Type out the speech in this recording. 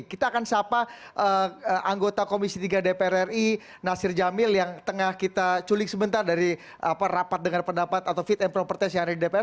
kita akan sapa anggota komisi tiga dpr ri nasir jamil yang tengah kita culik sebentar dari rapat dengar pendapat atau fit and proper test yang ada di dpr